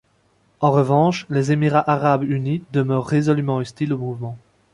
En revanche les Émirats arabes unis demeurent résolument hostile au mouvement.